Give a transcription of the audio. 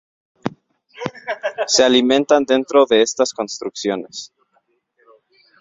Se alimentan dentro de estas construcciones.